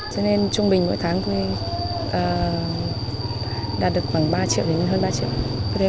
cho nên trung bình mỗi tháng tôi đạt được khoảng ba triệu đến hơn ba triệu